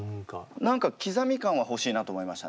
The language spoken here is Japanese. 何か刻み感は欲しいなと思いましたね。